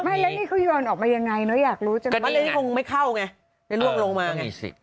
แล้วนี่เค้าโยนออกมายังไงเนอะอยากรู้จักไหมนี่คงไม่เข้าไงได้ล่วงลงมาไง